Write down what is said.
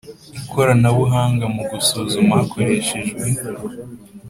ikoranabuhanga mu gusuzuma hakoreshejwe